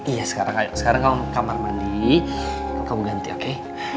iya sekarang kamu kamar mandi kamu ganti oke